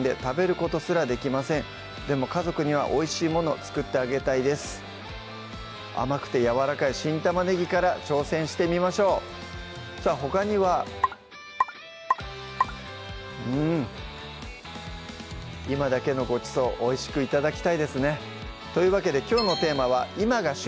早速いってみましょう甘くてやわらかい新玉ねぎから挑戦してみましょうさぁほかにはうん今だけのごちそうおいしく頂きたいですねというわけできょうのテーマは「今が旬！